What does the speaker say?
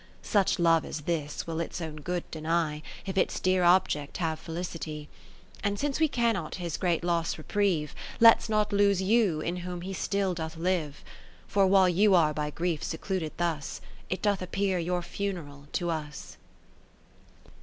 Such Love as this will its own good deny. If its dear object have felicity. 40 And since we cannot his great loss reprieve, Let 's not lose you in whom he still doth live. For while you are by grief secluded thus. It doth appear your funeral to us.